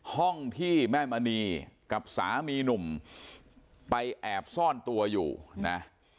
ห้องที่แม่มณีกับสามีหนุ่มไปแอบซ่อนตัวอยู่นะ